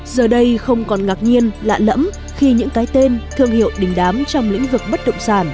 giờ đây không còn ngạc nhiên lạ lẫm khi những cái tên thương hiệu đình đám trong lĩnh vực bất động sản